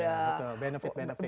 iya betul benefit benefit